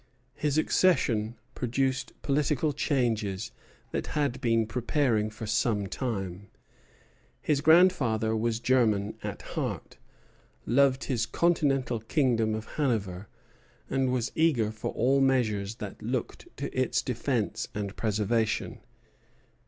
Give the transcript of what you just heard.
His accession produced political changes that had been preparing for some time. His grandfather was German at heart, loved his Continental kingdom of Hanover, and was eager for all measures that looked to its defence and preservation.